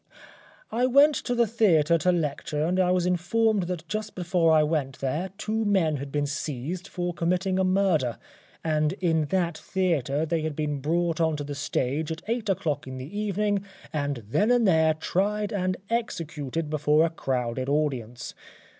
I went to the Theatre to lecture and I was informed that just before I went there two men had been seized for committing a murder, and in that theatre they had been brought on to the stage at eight oŌĆÖclock in the evening, and then and there tried and executed before a crowded audience.